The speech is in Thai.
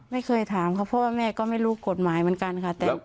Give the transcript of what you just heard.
ไม่เคยถามค่ะเพราะว่าแม่ก็ไม่รู้กฎหมายเหมือนกันค่ะ